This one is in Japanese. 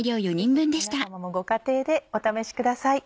ぜひ皆様もご家庭でお試しください。